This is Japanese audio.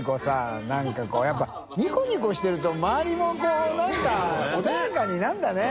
何かこうやっぱニコニコしてると周りもこう何か穏やかになるんだね。